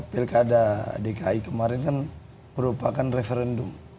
pilkada dki kemarin kan merupakan referendum